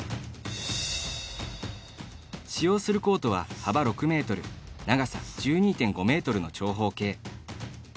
使用するコートは、幅６ｍ長さ１２．５ｍの長方形。